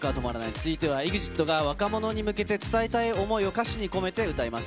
続いてはＥＸＩＴが若者に向けて伝えたい思いを歌詞に込めて歌います。